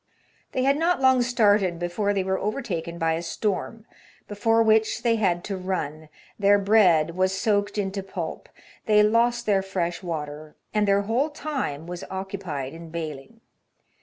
They had not long started before they were overtaken by a storm, before which they had to run; their bread was soaked into HAZARDOUS VOYAGES, 91 pulp, they lost their fresh water, and their whole time was occupied in baling.